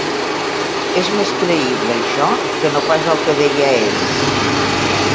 És més creïble això que no pas el que deia ell.